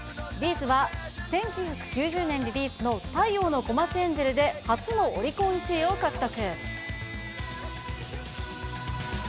’ｚは１９９０年リリースの太陽のコマチエンジェルで初のオリコン１位を獲得。